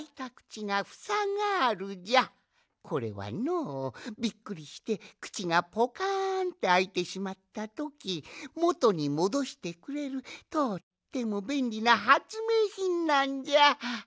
これはのびっくりしてくちがポカンってあいてしまったときもとにもどしてくれるとってもべんりなはつめいひんなんじゃ！